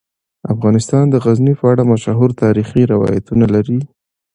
افغانستان د غزني په اړه مشهور تاریخی روایتونه لري.